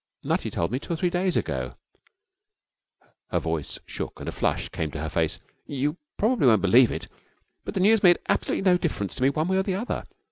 'Nutty told me two or three days ago.' Her voice shook and a flush came into her face. 'You probably won't believe it, but the news made absolutely no difference to me one way or the other.